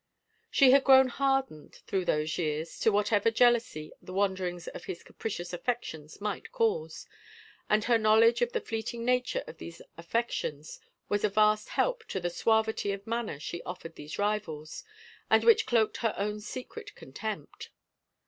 She had grown hardened, through those years, to whatever jealousy the wanderings of his capricious affections might cause, and her knowledge of the fleeting nature of these affections was a vast help to the suavity of manner she offered these rivals, and which cloaked her own secret contempt.